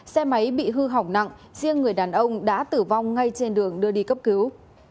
xe máy bị hư hỏng nặng riêng người đàn ông đã tử vong ngay trên đường đưa đi cấp cứu